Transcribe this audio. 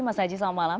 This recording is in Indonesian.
mas aji selamat malam